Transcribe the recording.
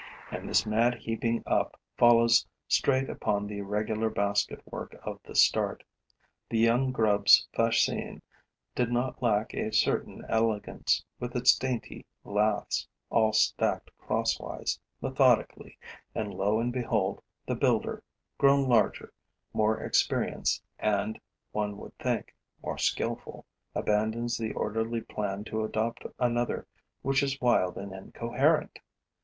And this mad heaping up follows straight upon the regular basket work of the start. The young grub's fascine did not lack a certain elegance, with its dainty laths, all stacked crosswise, methodically; and, lo and behold, the builder, grown larger, more experienced and, one would think, more skilful, abandons the orderly plan to adopt another which is wild and incoherent!